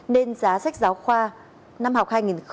nên giá sách giáo khoa năm học hai nghìn hai mươi hai nghìn hai mươi